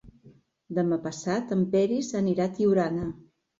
Demà passat en Peris anirà a Tiurana.